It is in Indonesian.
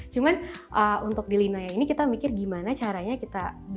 cuman untuk di lina yang ini kita mikir gimana caranya kita desain tangga